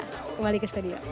kembali ke studio